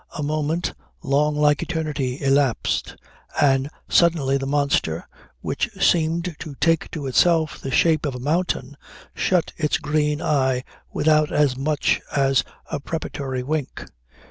A moment, long like eternity, elapsed, and, suddenly, the monster which seemed to take to itself the shape of a mountain shut its green eye without as much as a preparatory wink.